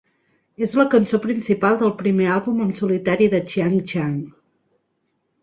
És la cançó principal del primer àlbum en solitari de Xiang Xiang.